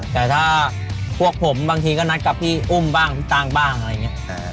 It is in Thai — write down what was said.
แต่ถ้าพวกผมบางทีก็นัดกับพี่อุ้มบ้างพี่ตังบ้างอะไรอย่างนี้